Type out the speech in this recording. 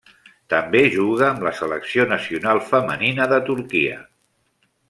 També juga amb la selecció nacional femenina de Turquia.